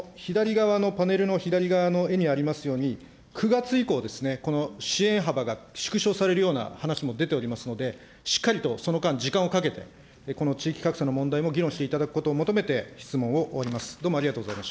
時間が終わりましたが、この左側のパネルの、左側の絵にありますように、９月以降ですね、この支援幅が縮小されるような話も出ておりますので、しっかりとその間、時間をかけて、この地域格差の問題も議論していただくことを求めて、質問を終わります。